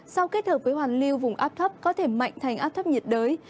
sau kết hợp với hoàn lưu vùng áp thấp có thể mạnh thành áp thấp nhiệt đới